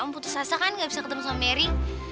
om putus saja kan gak bisa ketemu sama mary